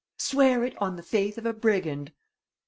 "Swear it on the faith of a brigand."